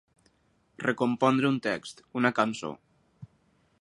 Recompondre un text, una cançó.